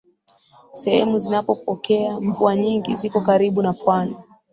Sehemu zinazopokea mvua nyingi ziko karibu na pwani